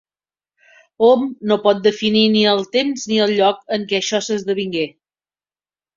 Hom no pot definir ni el temps ni el lloc en què això s'esdevingué.